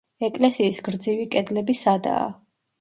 ეკლესიის გრძივი კედლები სადაა.